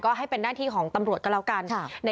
ก็ให้เป็นหน้าที่ของตำรวจก็แล้วกัน